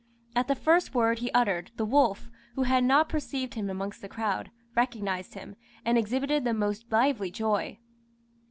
At the first word he uttered, the wolf, who had not perceived him amongst the crowd, recognised him, and exhibited the most lively joy.